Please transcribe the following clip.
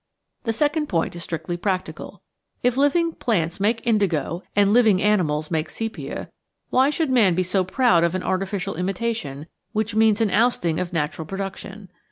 The second point is strictly practical. If living plants make indigo and living animals make sepia, why should man be so proud of an artificial imitation, which means an ousting of natural pro duction?